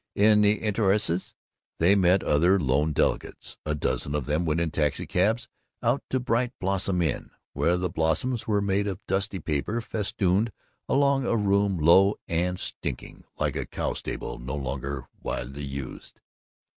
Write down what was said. In the entr'actes they met other lone delegates. A dozen of them went in taxicabs out to Bright Blossom Inn, where the blossoms were made of dusty paper festooned along a room low and stinking, like a cow stable no longer wisely used.